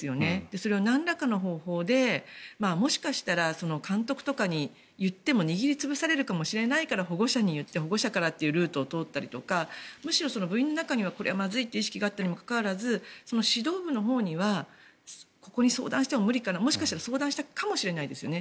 それはなんらかの方法でもしかしたら監督とかに言っても握り潰されるかもしれないから保護者に言って保護者からというルートを通ったりとかむしろ部員の中にはこれはまずいという認識があったにもかかわらず指導部のほうにはここに相談しても無理かなもしかしたら相談したかもしれないですよね。